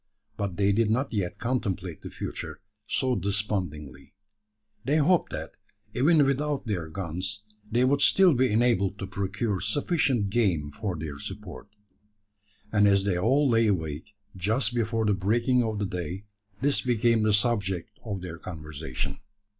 But they did not yet contemplate the future so despondingly. They hoped that, even without their guns, they would still be enabled to procure sufficient game for their support; and as they all lay awake, just before the breaking of the day, this became the subject of their conversation.